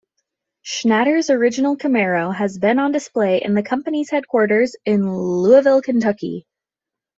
Schnatter's original Camaro has been on display in the company's headquarters in Louisville, Kentucky.